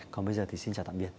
còn bây giờ thì xin chào tạm biệt